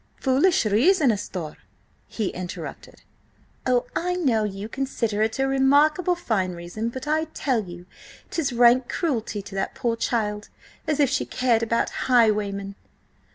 "Foolish reason, asthore?" he interrupted. "Oh, I know you consider it a remarkable fine reason, but I tell you, 'tis rank cruelty to that poor child. As if she cared about highwaymen!"